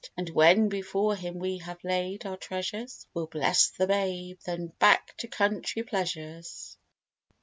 And when before him we have laid our treasures, We'll bless the babe: then back to country pleasures.